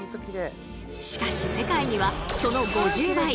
しかし世界にはその５０倍！